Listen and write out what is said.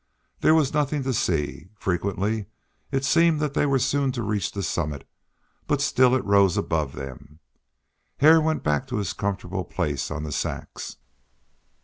There was nothing to see; frequently it seemed that they were soon to reach the summit, but still it rose above them. Hare went back to his comfortable place on the sacks.